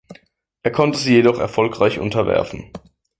Er konnte sie jedoch erfolgreich unterwerfen.